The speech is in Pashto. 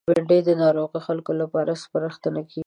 بېنډۍ د ناروغو خلکو لپاره سپارښتنه کېږي